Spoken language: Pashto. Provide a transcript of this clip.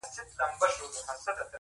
• دوه او درې ځایه یې تور وو غوړولی -